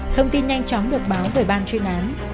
thông tin nhanh chóng được báo về ban chuyên án